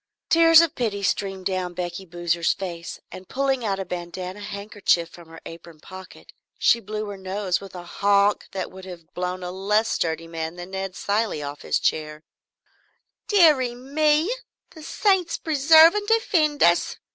Tears of pity streamed down Becky Boozer's face, and pulling out a bandanna handkerchief from her apron pocket she blew her nose with a honk that would have blown a less sturdy man than Ned Cilley off his chair. "Deary me, the saints preserve and defend us!"